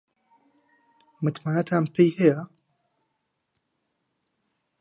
متمانەتان پێی هەیە؟